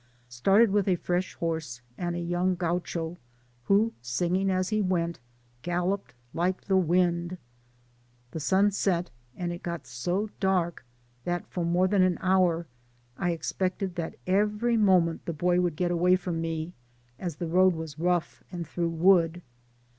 — Started with a fresh horse, and a young Gaucho, who, singing as he went, gallc^ped like the wind ; the sun set, and it got so dark, that, for more than an hour, I expected that every moment the boy would get away from me, as tbe road was rough, and through wood.